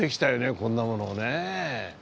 こんなものをね。